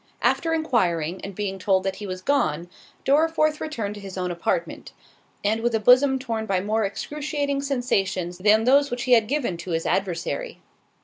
After enquiring, and being told that he was gone, Dorriforth returned to his own apartment; and with a bosom torn by more excruciating sensations than those which he had given to his adversary.